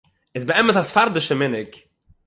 איז באמת אַ ספרדי'שער מנהג